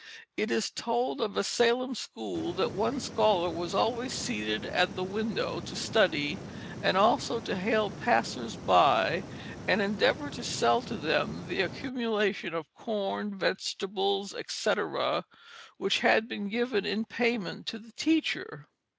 It is told of a Salem school, that one scholar was always seated at the window to study and also to hail passers by, and endeavor to sell to them the accumulation of corn, vegetables, etc., which had been given in payment to the teacher.